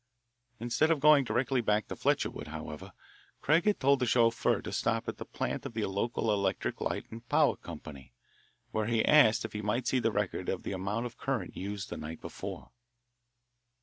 Instead of going directly back to Fletcherwood, however, Craig had told the chauffeur to stop at the plant of the local electric light and power company, where he asked if he might see the record of the amount of current used the night before.